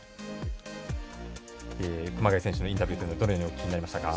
熊谷選手のインタビューどのようにお聞きになりましたか。